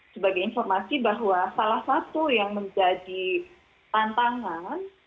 sebagai informasi bahwa salah satu yang menjadi tantangan